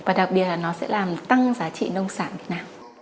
và đặc biệt là nó sẽ làm tăng giá trị nông sản